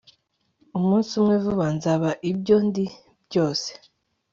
umunsi umwe vuba nzaba ibyo ndi byose